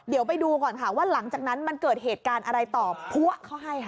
เดี๋ยวไปดูก่อนค่ะว่าหลังจากนั้นมันเกิดเหตุการณ์อะไรต่อพัวเขาให้ค่ะ